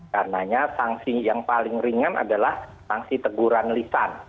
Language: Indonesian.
karenanya sanksi yang paling ringan adalah sanksi teguran lisan